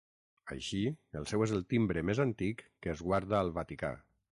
Així, el seu és el timbre més antic que es guarda al Vaticà.